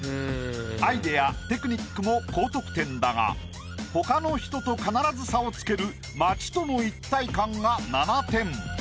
アイデアテクニックも高得点だが他の人と必ず差をつける「街との一体感」が７点。